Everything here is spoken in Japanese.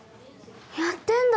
やってんだ！